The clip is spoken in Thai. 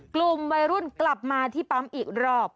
กลุ่มวัยรุ่นกลับมาที่ปั๊มอีกรอบ